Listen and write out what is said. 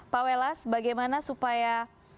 pak welas bagaimana supaya